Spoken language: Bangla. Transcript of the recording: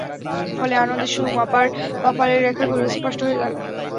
ফলে আনন্দে সুমামার কপালের রেখাগুলো স্পষ্ট হয়ে গেল।